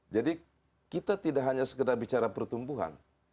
jadi kita tidak hanya sekedar bicara pertumbuhan